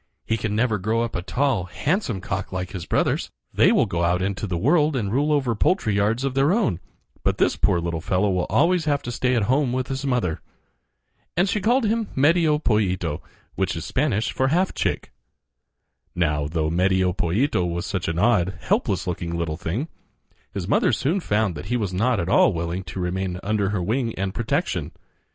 He can never grow up a tall, handsome cock like his brothers. They will go out into the world and rule over poultry yards of their own; but this poor little fellow will always have to stay at home with his mother." And she called him Medio Pollito, which is Spanish for half chick. Now, though Medio Pollito was such an odd, helpless looking little thing, his mother soon found that he was not at all willing to remain under her wing and protection.